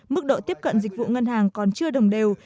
mức độ tiếp cận dịch vụ ngân hàng còn chưa đồng đều